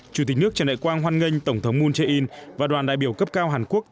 chủ tịch nước trần đại quang hoan nghênh tổng thống moon jae in và đoàn đại biểu cấp cao hàn quốc